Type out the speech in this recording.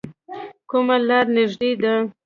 کومه لار نږدې ده؟